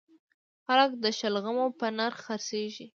خلک د شلغمو په نرخ خرڅیږي